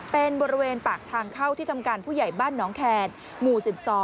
เป็นบริเวณปากทางเข้าที่ทำการผู้ใหญ่บ้านน้องแคนหมู่๑๒